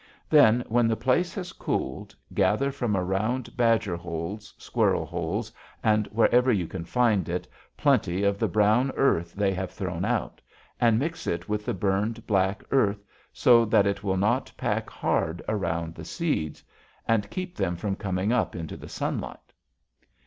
Then, when the place has cooled, gather from around badger holes, squirrel holes, and wherever you can find it, plenty of the brown earth they have thrown out, and mix it with the burned black earth, so that it will not pack hard around the seeds, and keep them from coming up into the sunlight.